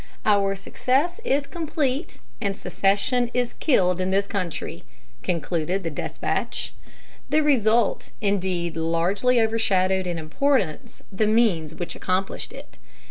"Our success is complete, and secession is killed in this country," concluded the despatch. The result, indeed, largely overshadowed in importance the means which accomplished it.